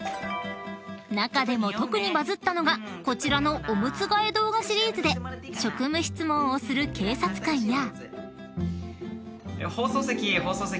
［中でも特にバズったのがこちらのおむつ替え動画シリーズで職務質問をする警察官や］